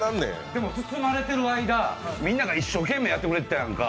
でも包まれている間みんなが一生懸命やってくれてたやんか。